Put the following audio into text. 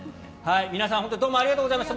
皆さん、本当にどうもありがとうございました。